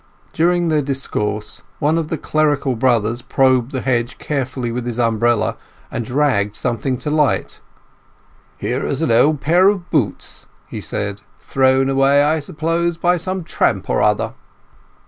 During their discourse one of the clerical brothers probed the hedge carefully with his umbrella, and dragged something to light. "Here's a pair of old boots," he said. "Thrown away, I suppose, by some tramp or other."